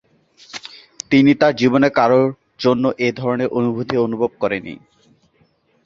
তিনি তার জীবনে কারো জন্য এ ধরনের অনুভূতি অনুভব করেননি।